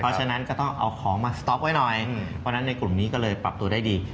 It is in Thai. เพราะฉะนั้นก็ต้องเอาของมาสต๊อกไว้หน่อยเพราะฉะนั้นในกลุ่มนี้ก็เลยปรับตัวได้ดี